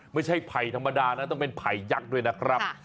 ไม่ใช่ไผ่ธรรมดานะต้องเป็นไผ่ยักษ์ด้วยนะครับ